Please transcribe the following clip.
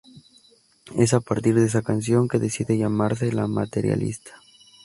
Es a partir de esa canción que decide llamarse "La Materialista".